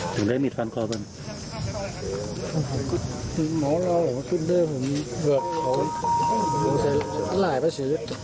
อศอศอศอศ